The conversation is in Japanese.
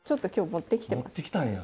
持ってきたんや。